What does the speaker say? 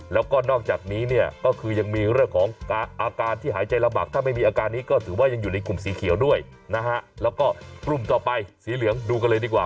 แล้วก็นอกจากนี้เนี่ยก็คือยังมีเรื่องของอาการที่หายใจลำบากถ้าไม่มีอาการนี้ก็ถือว่ายังอยู่ในกลุ่มสีเขียวด้วยนะฮะแล้วก็กลุ่มต่อไปสีเหลืองดูกันเลยดีกว่า